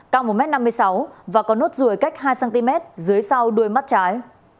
cao một m năm mươi sáu và có nốt ruồi cách hai cm dưới sau đuôi mắt trái